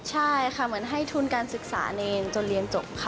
ใช่ค่ะเหมือนให้ทุนการศึกษาเนรจนเรียนจบค่ะ